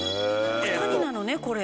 九谷なのねこれ。